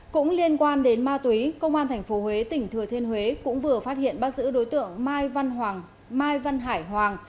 cũng liên quan đến ma túy công an tp huế tỉnh thừa thiên huế cũng vừa phát hiện bắt giữ đối tượng mai văn mai văn hải hoàng